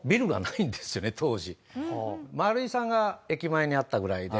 マルイさんが駅前にあったぐらいで。